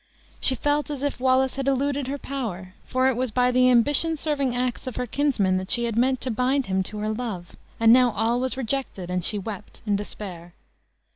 She felt as if Wallace had eluded her power, for it was by the ambition serving acts of her kinsman that she had meant to bind him to her love; and now all was rejected, and she wept in despair.